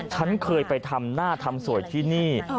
ฉันเคยไปทำหน้าทำสวยที่นี่